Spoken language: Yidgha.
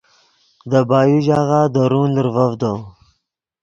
دے بایو ژاغہ درون لرڤڤدو